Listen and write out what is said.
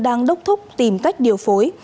đang đốc thúc tìm cách điều phối